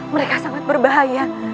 mereka sangat berbahaya